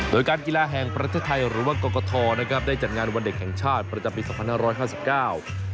โดยการกีฬาแห่งประเทศไทยหรือว่ากรกฐนะครับได้จัดงานวันเด็กแห่งชาติประจำปีสองพันห้าร้อยห้าสิบเก้า